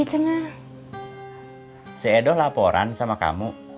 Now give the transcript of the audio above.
saya edo laporan sama kamu